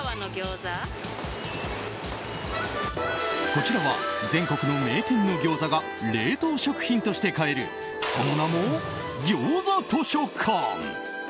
こちらは全国の名店のギョーザが冷凍食品として買えるその名も餃子図書館。